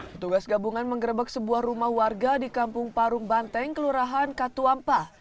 petugas gabungan mengerebek sebuah rumah warga di kampung parung banteng kelurahan katuampa